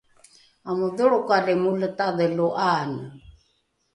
amodholrokali molatadhe lo ’aane?